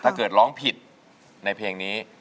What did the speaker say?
ถ้าเกิดร้องผิดในเพลงนี้